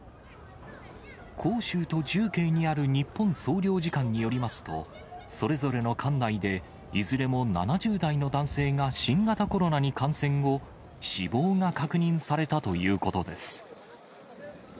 広州と重慶にある日本総領事館によりますと、それぞれの管内で、いずれも７０代の男性が新型コロナに感染後、死亡が確認されたということです。